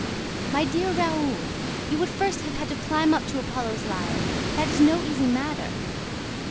"My dear Raoul, you would first have had to climb up to Apollo's lyre: that is no easy matter."